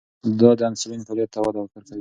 دا د انسولین فعالیت ته وده ورکوي.